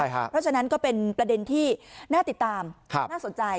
เพราะฉะนั้นก็เป็นประเด็นที่น่าติดตามน่าสนใจ